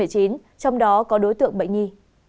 trong đó có đối tượng bệnh nhi